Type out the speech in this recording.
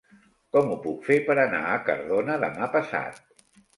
Com ho puc fer per anar a Cardona demà passat?